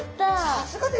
さすがです。